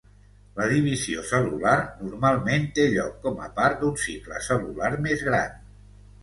La divisió cel·lular normalment té lloc com a part d'un cicle cel·lular més gran.